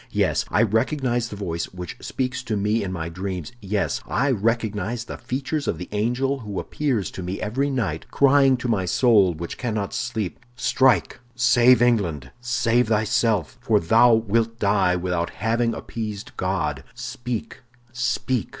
"Yes, I recognize the voice which speaks to me in my dreams; yes, I recognize the features of the angel who appears to me every night, crying to my soul, which cannot sleep: 'Strike, save England, save thyself—for thou wilt die without having appeased God!' Speak, speak!"